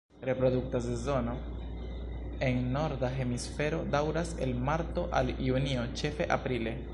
Reprodukta sezono en norda hemisfero daŭras el marto al junio, ĉefe aprile.